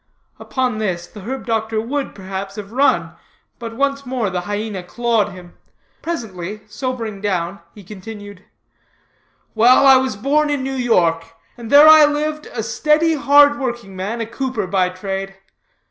Upon this the herb doctor would, perhaps, have run, but once more the hyæna clawed him. Presently, sobering down, he continued: "Well, I was born in New York, and there I lived a steady, hard working man, a cooper by trade.